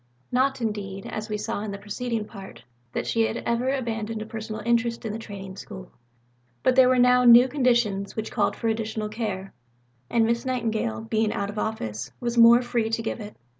Not, indeed, as we saw in the preceding Part, that she had ever abandoned a personal interest in the Training School, but there were now new conditions which called for additional care, and Miss Nightingale, being out of office, was more free to give it.